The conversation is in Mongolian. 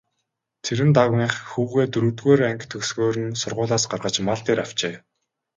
Цэрэндагвынх хүүгээ дөрөвдүгээр анги төгсөхөөр нь сургуулиас гаргаж мал дээр авчээ.